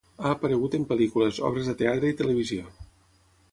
Ha aparegut en pel·lícules, obres de teatre i televisió.